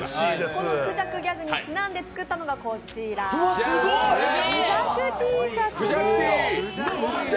このクジャクギャグにちなんでつくったのがこちらクジャクＴシャツです。